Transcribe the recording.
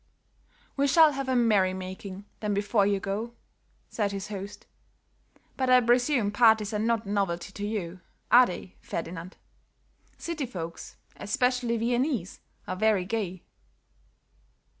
"We shall have a merrymaking, then, before you go," said his host. "But I presume parties are not a novelty to you; are they, Ferdinand? City folks, especially Viennese, are very gay."